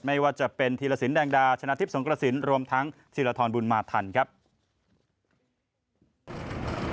ไม่ว่าจะเป็นธีรศิลป์แดงดาชนะทิพย์สงกระศิลป์รวมทั้งธีรธรรมบุรมาธรรม